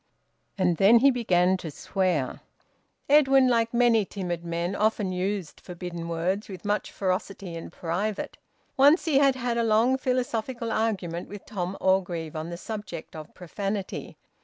And then he began to swear. Edwin, like many timid men, often used forbidden words with much ferocity in private. Once he had had a long philosophic argument with Tom Orgreave on the subject of profanity.